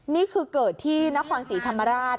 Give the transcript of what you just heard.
นี่คือเกิดที่นครศรีธรรมราช